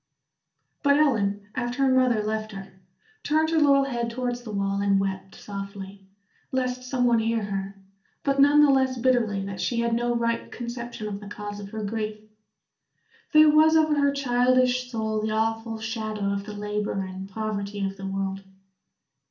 But Ellen, after her mother left her, turned her little head towards the wall and wept softly, lest some one hear her, but none the less bitterly that she had no right conception of the cause of her grief. There was over her childish soul the awful shadow of the labor and poverty of the world.